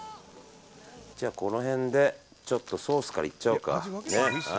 じゃあこの辺で、ちょっとソースからいっちゃおうか。